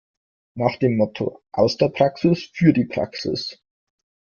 Nach dem Motto „aus der Praxis für die Praxis“.